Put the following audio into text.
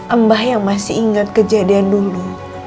mbah yang masih ingat kejadian dulu